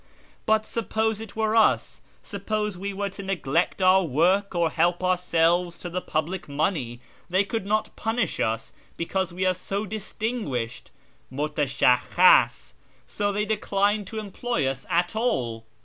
But suppose it were us, suppose we were to neglect our work or help ourselves to the public money, they could not punish us because we are so distinguished {mutashakhkhas). So they decline to employ us at all."